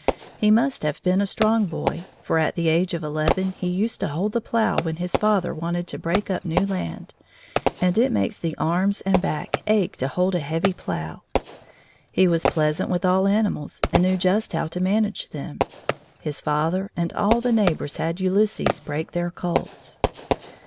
He must have been a strong boy, for at the age of eleven he used to hold the plow when his father wanted to break up new land, and it makes the arms and back ache to hold a heavy plow! He was patient with all animals and knew just how to manage them. His father and all the neighbors had Ulysses break their colts.